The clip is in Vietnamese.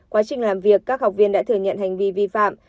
quá trình làm việc các học viên đã thừa nhận hành vi vi phạm